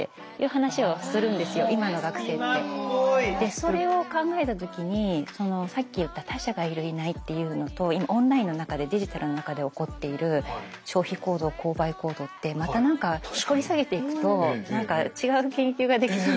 それを考えた時にそのさっき言った他者がいるいないっていうのとオンラインの中でデジタルの中で起こっている消費行動購買行動ってまた何か掘り下げていくと違う研究ができそうな。